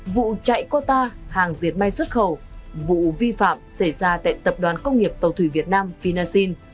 vụ chạy cota hàng diệt may xuất khẩu vụ vi phạm xảy ra tại tập đoàn công nghiệp tàu thủy việt nam vinasin